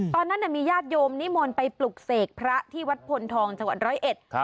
ตอนนั้นมีญาติโยมนิมนต์ไปปลุกเสกพระที่วัดผลทองสวรรค์๑๐๑